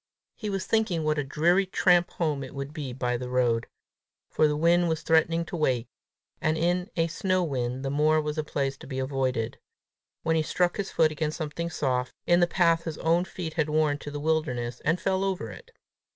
He was thinking what a dreary tramp home it would be by the road for the wind was threatening to wake, and in a snow wind the moor was a place to be avoided when he struck his foot against something soft, in the path his own feet had worn to the wilderness, and fell over it.